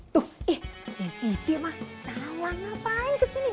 tuh eh si siti emak salah ngapain kesini